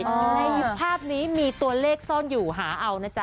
ในภาพนี้มีตัวเลขซ่อนอยู่หาเอานะจ๊